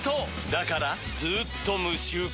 だからずーっと無臭化！